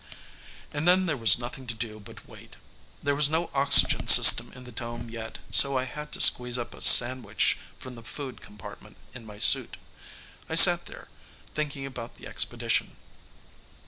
And then there was nothing to do but wait. There was no oxygen system in the dome yet, so I had to squeeze up a sandwich from the food compartment in my suit. I sat there, thinking about the expedition.